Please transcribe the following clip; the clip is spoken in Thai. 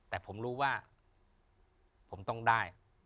แต่ผมรู้ว่าผมต้องได้